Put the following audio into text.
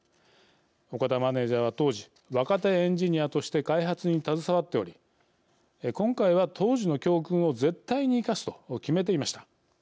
岡田マネージャーは当時若手エンジニアとして開発に携わっており今回は当時の教訓を絶対に生かすと決めていました。